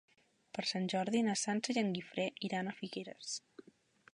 Per Sant Jordi na Sança i en Guifré iran a Figueres.